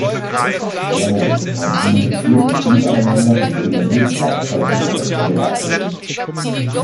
Jawohl, man kommuniziert untereinander und generiert gleichzeitig wertvolle Daten.